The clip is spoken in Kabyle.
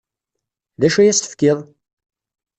D acu ay as-tefkiḍ?